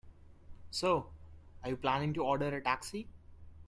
So, are you planning to order a taxi?